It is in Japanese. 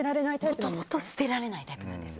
もともと捨てられないタイプなんです。